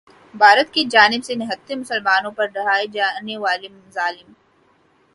بھارت کی جانب سے نہتے مسلمانوں پر ڈھائے جانے والے مظالم